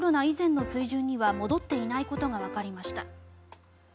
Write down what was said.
以前の水準には戻っていないことがわかりました。